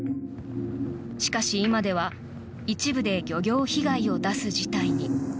しかし、今では一部で漁業被害を出す事態に。